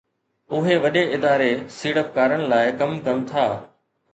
اهي وڏي اداري سيڙپڪارن لاءِ ڪم ڪن ٿا